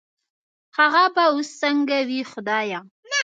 هغه به وس سنګه وي خدايه